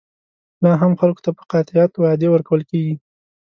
لا هم خلکو ته په قاطعیت وعدې ورکول کېږي.